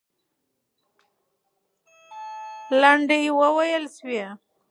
لنډۍ وویل سوې.